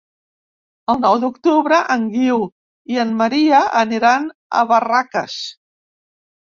El nou d'octubre en Guiu i en Maria aniran a Barraques.